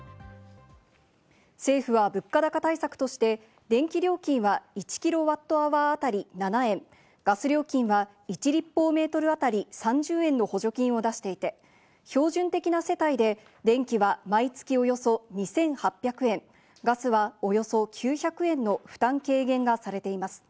政府は物価高対策として、電気料金は１キロワットアワー当たり７円、ガス料金は１立方メートル当たり３０円の補助金を出していて、標準的な世帯で電気は毎月およそ２８００円、ガスはおよそ９００円の負担軽減がされています。